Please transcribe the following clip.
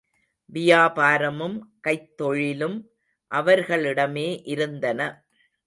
வியாபாரமும், கைத்தொழிலும் அவர்களிடமே இருந்தன.